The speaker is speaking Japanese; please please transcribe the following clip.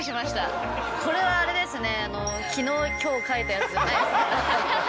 これはあれですね。